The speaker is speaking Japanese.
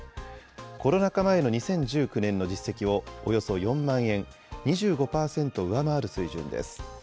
コロナ禍前の２０１９年の実績をおよそ４万円、２５％上回る水準です。